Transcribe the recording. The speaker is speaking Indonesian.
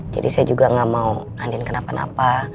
jadi saya juga gak mau andi kenapa napa